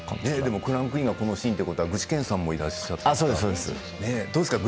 クランクインがこのシーンということは具志堅用高さんもいらっしゃったんですよね？